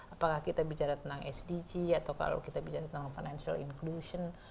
apakah kita bicara tentang sdg atau kalau kita bicara tentang financial inclusion